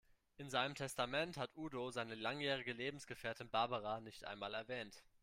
In seinem Testament hat Udo seine langjährige Lebensgefährtin Barbara nicht einmal erwähnt.